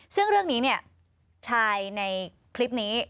ซึ่งเรื่องนี้เนี่ยชายในคลิปนี้